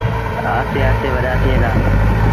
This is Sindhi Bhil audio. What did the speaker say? آهستي آهستي وڏآ ٿئيٚݩ دآ۔